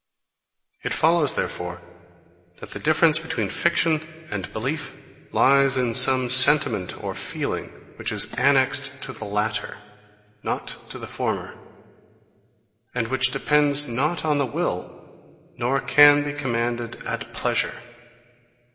It follows, therefore, that the difference between fiction and belief lies in some sentiment or feeling, which is annexed to the latter, not to the former, and which depends not on the will, nor can be commanded at pleasure.